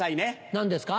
何ですか？